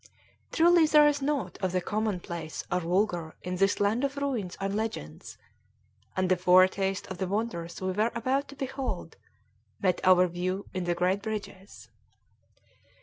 Truly there is naught of the commonplace or vulgar in this land of ruins and legends, and the foretaste of the wonders we were about to behold met our view in the great bridges.